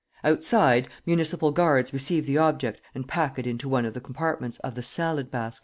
Outside, municipal guards receive the object and pack it into one of the compartments of the "salad basket."